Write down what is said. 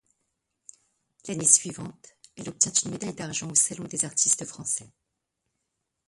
L'année suivante elle obtient une médaille d'argent au salon des artistes français.